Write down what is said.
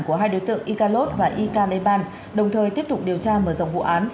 của hai đối tượng ika lon và ikan eban đồng thời tiếp tục điều tra mở rộng vụ án